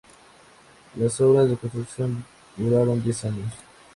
Las obras de construcción duraron diez años.